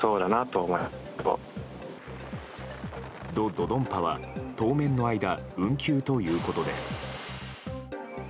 ド・ドドンパは当面の間運休ということです。